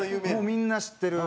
みんな知ってる。